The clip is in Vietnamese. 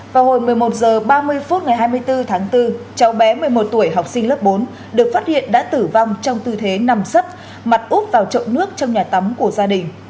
vào hồi một mươi một h ba mươi phút ngày hai mươi bốn tháng bốn cháu bé một mươi một tuổi học sinh lớp bốn được phát hiện đã tử vong trong tư thế nằm sấp mặt úp vào chậu nước trong nhà tắm của gia đình